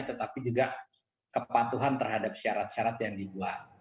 tetapi juga kepatuhan terhadap syarat syarat yang dibuat